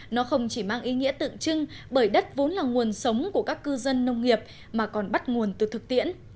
nó không chỉ mang ý nghĩa tượng trưng bởi đất vốn là nguồn sống của các cư dân nông nghiệp mà còn bắt nguồn từ thực tiễn